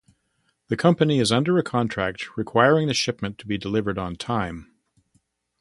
The company is under a contract requiring the shipment be delivered on time.